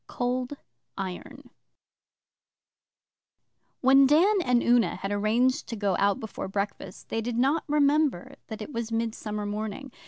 COLD IRON When Dan and Una had arranged to go out before breakfast, they did not remember that it was Midsummer Morning.